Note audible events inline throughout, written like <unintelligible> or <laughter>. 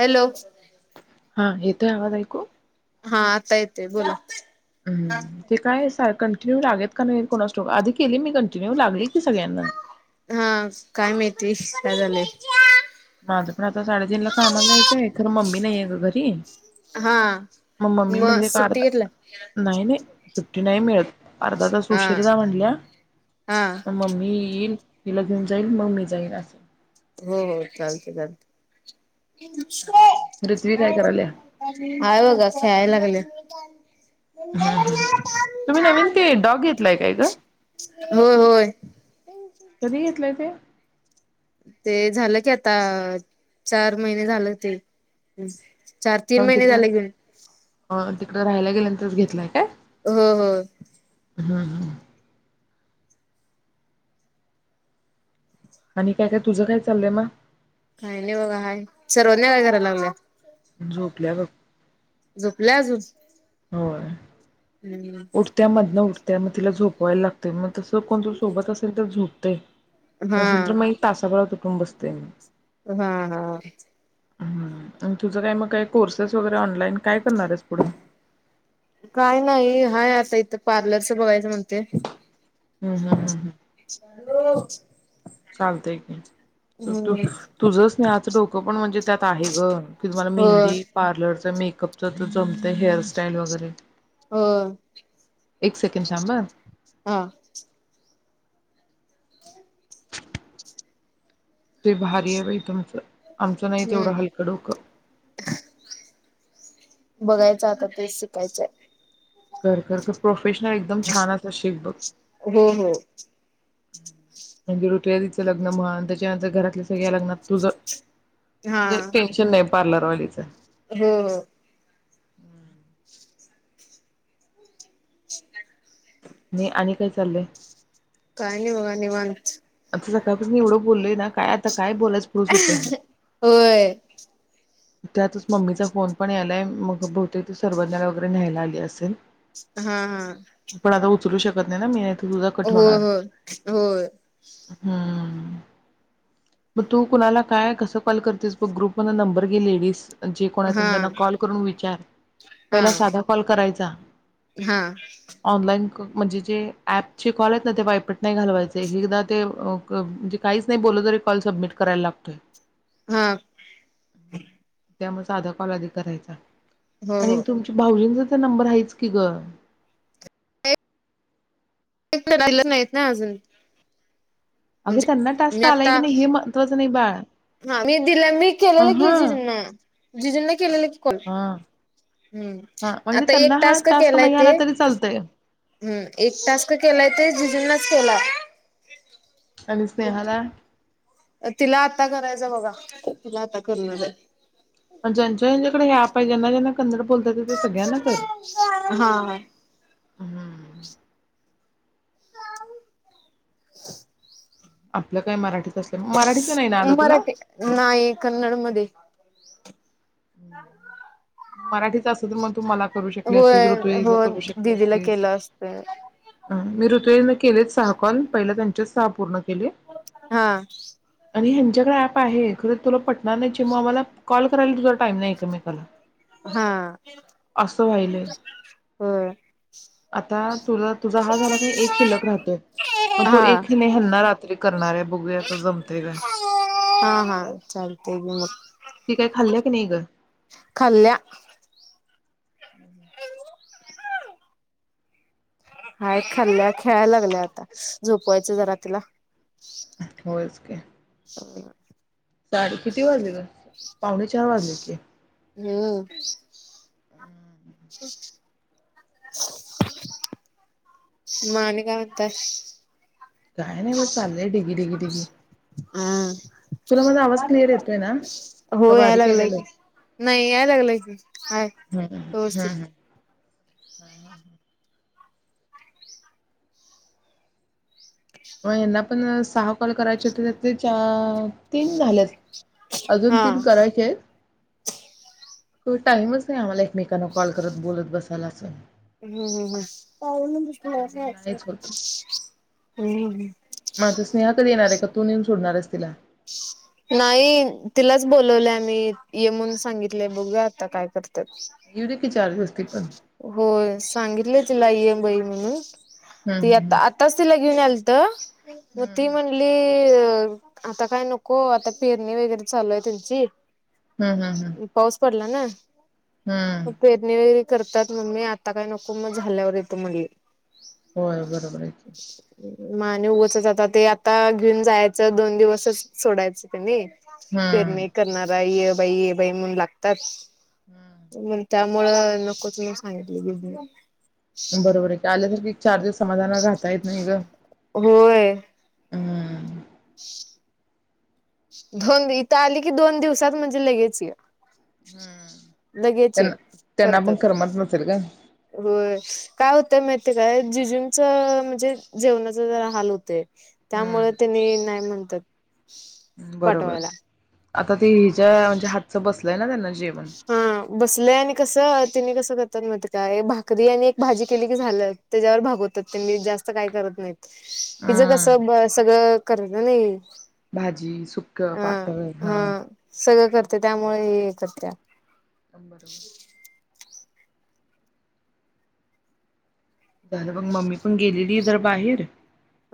Hello हा येतोय आवाज ऐकू? हा आता येतय बोला. हम्म ते काय स कंटिन्यू लागत का नाही कोणास ठाऊक आधी केली मी कंटिन्यू लागली की सगळ्यांना. हा काय माहित? <unintelligible> माझं पण आता साडेतीनला कामाला जायचंय खर मम्मी नाहीय ग घरी. हा मम्मी मग म्हणले का सुट्टी अर्धा घेतलाय? नाही नाही सुट्टी नाही मिळत. अर्धा तास उशिरा जा म्हणल्या हा पण मम्मी हिला घेऊन जाईल मग मी जाईन असं... हो हो चालते चालते. रिथ्वी काय करायल्या? आहे बघा खेळायला लागल्या. <inaudible> तुम्ही नवीन ते डॉग घेतलाय काय ग? <unintelligible> होय होय.... कधी घेतलंय ते? ते झालं की आता चार महिने झालं ते... चार तीन महिने झाल घेऊन. बर तिकडं राहायला गेल्यानंतरच घेतलाय काय? हो हं हं आणि काय काय तुझं काय चाललंय मग? काय नाही बघा हाय सर्वज्ञा काय करायला लागली... झोपल्या बघ. झोपल्या अजून? होय. हम्म उठत्या मधन उठ त्यामुळं तिला झोपवायला लागतंय मग तसं कोण जर सोबत असेल तर झोप <unintelligible> नसेल तर हा मग ही तासाभरात उठुन बसते मग.... हा हा आणि तुझं काय मग काय कोर्सेस वगैर ऑनलाईन काय करणार आहेस पुढ? काय नाही हाय आता इथं पार्लरच बघायचं म्हणते हम्म हम्म <inaudible> हॅलो चालतय की तू हम्म तुझ स्नेहाचं डोकं पण म्हणजे त्यात आहे ग की तुम्हाला हो मेहंदी पार्लर मेकअपच तर जमत हेअरस्टाईल वगैरे... हो एक सेकंड थांब हं हा... <unintelligible> ते भारी आहे बाई तम... आमचं नाही तेवढं हम्म हलकं डोकं... बघायच आता तेच शिकायचंय.. कर कर कर प्रो..... पेश्न एकदम छान असा शिक बघ..... हो हो म्हणजे ऋतियाजचं लग्न मम्हण त्याच्यानंतर घरात.... तुझ्या लग्नात तुझं म्हणजे टेन्शन नाही पार्लर वालीच आहे हा <unintelligible> म आणि काय चाललंय कायणी बघा निवांत... सकाळपसून एवढं बोललोय ना काय आता... काय बोलायस पुढे सुचेन ना होय त्यातच मम्मीचा फोन पण यायलय मग बहुते त सर्वज्ञा वगैरे न्यायला आली असेल.. हा हा चलू शकत नाही ना मी.... तर हो हो होय हम् मग तू कुणाला? काय? कस? कॉल करतेस ग्रुप म नंबर घे लेडीस जे कोण आहेत हा त त्यांना कॉल करून विचार हा पहिला साधा कॉल करायचा.... हा ऑनलाईन म्हणजे जे ऍप ची कॉल आहेत ना ते वायपट नाही घालवायचे... एकदा ते म्हणजे काहीच नाही बोलल तरी कॉल सबमिट करायला लागतोय... हा त्यामुळे साधा कॉल आधी करायचा..... हो हो आणि तुमची भाऊजीं ज... तिचा नंबर आहेच की ग.... <unintelligible> नाही येत ना अजून अग म्हणजे त्यांना मी टास्क आलाय की आता नाही हे महत्वाच. बाळ हा मी दिलं मी अ केलेलं की हा जिजीना... जिजींना केलेलं की.... हा हम् हा म्हणजे आता एक त्यांना हा टास्क केला, नाही ते आला तरी चालतय हम् एक टास्क केलाय ते जीजुना चला आणि स्नेहाला तिला आता करायचं बघा ते ज्यांच्या ज्यांच्याकडे हे पहिल्यांदा आले का कन्नड बोलत तथ सगळ्यांना हा कळलं <unintelligible> आपलं काय मराठीच असलं, मराठीचं नाही ना ग आलं तुला? मराठी नाही कन्नड मध्ये मराठी मग तू मला करू शकली असतीस होय हो ऋतजा करू शकली दिदीला असतेसी केलं असत ट्रेन ले सहा कॉल पहिला त्यां ते सहा पूर्ण केले. हा आणि हे माझ्याकडे ऍप आहे, खरं तुला पटणार नाही चिमू आम्हाला कॉल कराल टाईम नाही एकामेकाला हा अस वाहिलंय होय आता तुझ तुझा हा झाला कनी एक शिल्लक राहतोय म तो हा एक ह्यांना जातोय. करणारे हा हा चालते ग काय खाल्ल्या की नाही म ग खाल्ल्या हाय, खाल्ल्या खेळायला लागल्या आता झोपवायच जरा तिला होयच की <unintelligible> साडी किती वाजली ग. पावणे चार वाजले की, हम् मग आणि काय म्हणताय? काय नाही म चाललंय ढिगी ढिगी ढिगी हम्म तुला माझा आवाज क्लिअर येतोय ना का हो याय बारीक लागलंय केलेलं की नाही याय लागलंय की हाय हम हम् व्यवस्थित हम् <unintelligible> म यांना पण सहा कॉल करायचे होते त्यातले चार-तीन झालेत अजून हा तीन करायचे आहेत टाइमच आहे आम्हाला एकमेकांना कॉल करत बोलत बसायला अस हम् ह् त्यामुळे ह नाहीच <unintelligible> हम् ह माझा स्नेहा कधी येणार आहे तो येऊन सोडणारस तिला नाही तिलाच बोोलवले आम्ही येमून सांगितले बघा आता काय करत येऊ देत की चार दिवस ते पण.... होय सांगितले तिला येम बाई म्हणून हं ती हं आता आताच तिला घेऊन यालत तर मग ती हं. म्हणली ते आता काय नको आता पेरणी वगैरे चालू आहे त्यांची... हं हं हं. पाऊस पडला ना.... <inaudible> हं. <unintelligible> करतात मगमी आता काय नको मग झाल्यावर येतो म्हणले होय बरोबर आहे मग आणि उगचच आता ते आता घेऊन जायचं दोन दिवसच सोडायचं त्यांनी हं. पेरणी करणार आहे य.... बाई ये बाई म्हणून लागतात... हं. म्हणता मुळ त म सांगितली गे बरोबर आहे का आलं तर चार दिवस समाधाना राहता येत नाही ग होय अ <inaudible> दोन इथं आली की दोन दिवसात म्हणजे लगेचय हम्म त्यांना त्यांना पण करतात करमत नसेल ग होय काय होतं माहती काय जिजुनच म्हणजे जेवणाचा ज हाल होतेय त्यामुळे हम्म त्यांनी नाही म्हणतात बरोबर पाठवायला आता ते हिच्या म्हणजे हातच बस <unintelligible> हा बसलं आणि कसं तिने कस करतात का भाकरी आणि एक भाजी केली की झालं त्याच्यावर भागवतात ते मी जास्त काय करत नाही हिचं हम्म. कसं सगळं कर्ज नाही..... भाजी सुक अ पातळ हा सगळं करते त्यामुळे येत्यात त्या... एकदम बरोबर झालं बघ मम्मी पण गेलेली जरा बाहीर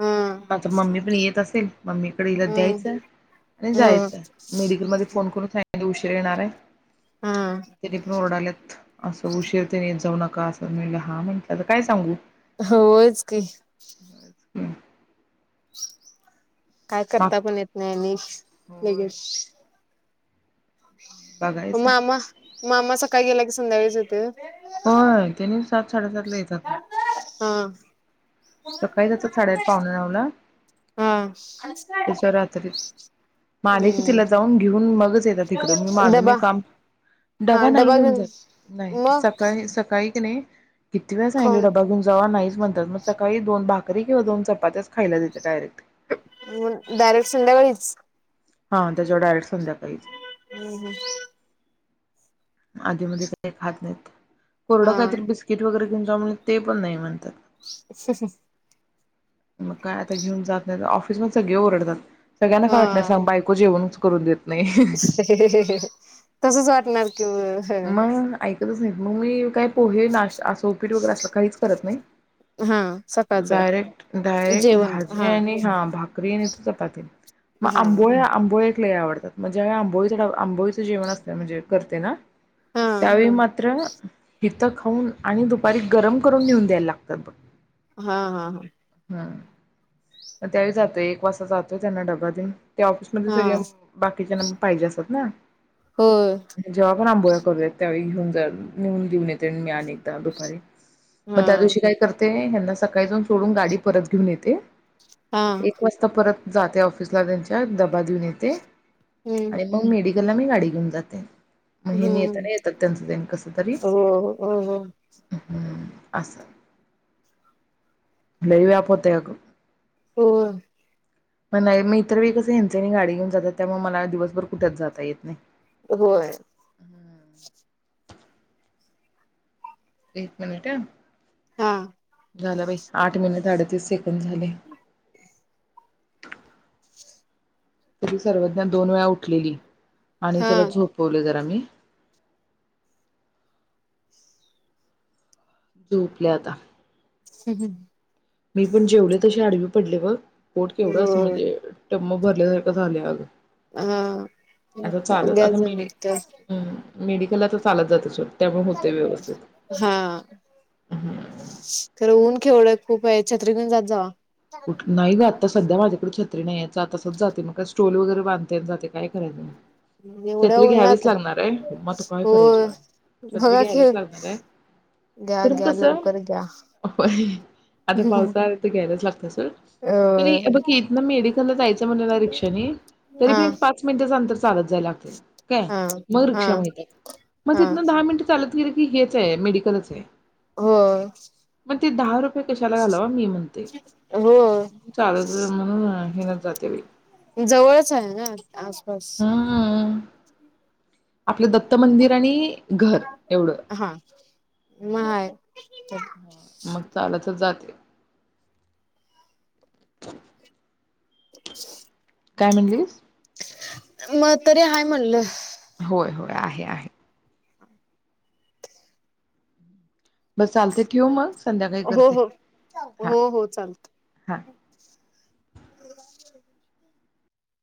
हा आता मम्मी पण येत असेल.... ते.... मम्मी ककडे इला हम्म द्यायचं आणि हो जायचं मेडिकल मध्ये फोन करून सांगितलं उशिरा..... र येणार आहे.... हा त्यांनी पण ओरडलेत <unintelligible> असं उशीरतेने जाऊ नका.... कासारणीला हा म्हटलेलं.... काय सांगू? होयंच की <unintelligible> काय करता माग पण येत नाही अ होय लगेच बघायचय मामा मामा सकाळी गेला की संध्याकाळीच येतोय. होय त्यानी सा साडेसातला येतात बघ हा सकाळी जातात साडेआठ पावणे नवला हा त्याच्यावर रात्री मग आले की हम्म तिला जाऊन घेऊन मगच येतात इकडं मग माझं मी डबा जाऊन डबा नाही घेऊन जात नाही मग सकाळी सकाळी की नाही..... किती वेळा सांगितलंय खाऊन डबा घेऊन जावा नाहीच म्हणत्यात मस सकाळी दोन भाकरी किंवा दोन चपात्या खायला देते डायरेक्ट.... मग डायरेक्ट संध्याकाळीच हा त्याच्यावर डायरेक्ट संध्याका आइच <unintelligible> आधीमध्ये काही खात नाहीत.... कोरडा हम्म काहीतरी बिस्किट वगैरे... ते पण नाही म्हणतात..... अहहह मग काय आता घेऊन जात नाही. ऑफिस मध्ये सगळे ओरडतात. सगळ्यांना हा काय वाटलंस बायको जेवन..... तसच वाटणार की मग. मग ऐक... <unintelligible> मग मी काय पोहे नाश्टा उपीठ वगैरे असलं काहीच करत हा नाही सकाळचं डायरेक्ट डायरेक्ट भाजी आणि हा भाकरी आणि.. चपाती मग हा आंबोळ्या आंबोळ्या लई आवडतात म्हणजे आंबोळीचा ड आंबोळीच जेवण असते म्हणजे करते ना हा त्यावेळी मात्र हित खाऊन आणि दुपारी गरम करून नेऊन द्यायला लागतात बघ.... हा हा हा हम्म, म त्यावेळी जातोय एक वाजता जातोय त्यांना डबा देऊन त्या ऑफिसमध्ये हा सगळे बाकीच्याना पाहिजे असतात ना. होय जेंव्हा पण आंबोळ्या करूयात त्यावेळी घेऊन जा नेऊन देऊन येते मी अनेकदा दुपारी मग हा त्या दिवशी काय करते? हेन्ना सकाळी जाऊन सोडून गाडी परत घेऊन येते. हा एक वाजता परत जाते ऑफिसला त्यांच्या दबा देऊन येते. हम्म आणि मग मीडी मी गाडी घेऊन जाते. <unintelligible> नाही हम्म येतात त्यांचं त्यांनी कस तरी हो हो हो हम्.... अस. लय व्याप होतय अग. हो. म न्हाई मग इतर वेळी कसं हेंच हेनी गाडी घेऊन जात्यात त्यामुळे मला दिवसभर कुठेच जाता येत नाही. हो होय एक मिनिट अं. हां. झाला बाई आठ मिनिट अडतीस सेकंड झाले. तरी सर्वज्ञ दोन वेळा उठलेली. आणि हा त्याला झोपवले जर आम्ही झोपल्याता. हम्म-हम्म. मी पण जेवले तसे आडवी पडले बघ. पोट केवढ अस होय म्हणजे <unintelligible> सारखं झालय अग हम्म <unintelligible> मेडिकलला तर चालत जातस सोड त्यामुळे होते व्यवस्थित <inaudible> हा हम्म. खर ऊन केवढय खूप आहे छत्री घेऊन जात जावा कुठ नाही जात? आता सध्या माझ्याकडे छत्री नाये चा तसच जाते मग स्टॉल वगैरे बांधताना जाते काय करायच म एवढ्या छत्री घ्यावीच उन्हात लागणार आहे म तू काय करायची होय बाय छत्री बघा घ्यायलाच की लागणार आहे घ्या कारण घ्या कस लवकर घ्या आता पावसाला तर घ्यायलाच लाग <unintelligible> अ बघा की इथन मेडिकल ला जायच म्हंटल ना रिक्षा नी तरी हा बी एक पण पाच मिनिटांचं अंतर चालत जायला लागत्या काय हा मग हा रिक्षा मिळते मग हा तिथन दहा मिनट चालत गेल की की हेच ये मेडिकलच ये हो मग ते दहा रुपये कशाला घालावा मी म्हणते हो <unintelligible> ह हेनच जाते बाई जवळच आहे ना आसपास? आपल दत्त मंदिर आणि घर एवढ हा मग हाय ह मग चालतच जात <inaudible> काय म्हणलीस मग तरी हाय म्हणल होय होय आहे आहे. बस चालते की ओ मग संध्याकाळी हो करते. हो हां हो हो चालत हां. <inaudible>